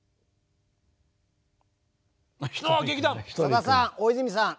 さださん大泉さん